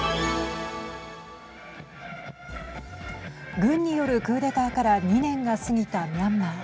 軍によるクーデターから２年が過ぎたミャンマー。